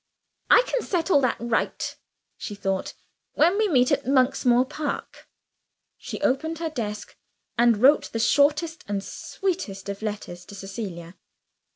"I can set all that right," she thought, "when we meet at Monksmoor Park." She opened her desk and wrote the shortest and sweetest of letters to Cecilia.